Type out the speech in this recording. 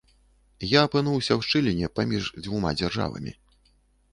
Я апынуўся ў шчыліне паміж дзвюма дзяржавамі.